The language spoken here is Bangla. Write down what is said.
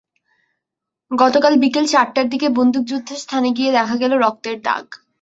গতকাল বিকেল চারটার দিকে বন্দুকযুদ্ধের স্থানে গিয়ে দেখা গেল রক্তের দাগ।